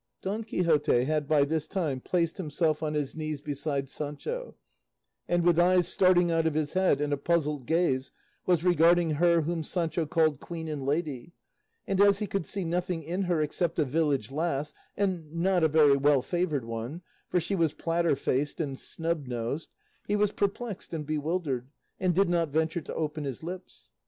'" Don Quixote had by this time placed himself on his knees beside Sancho, and, with eyes starting out of his head and a puzzled gaze, was regarding her whom Sancho called queen and lady; and as he could see nothing in her except a village lass, and not a very well favoured one, for she was platter faced and snub nosed, he was perplexed and bewildered, and did not venture to open his lips.